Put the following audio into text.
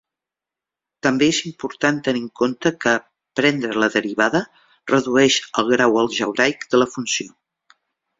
També es important tenir en compte que, prendre la derivada, redueix el grau algebraic de la funció.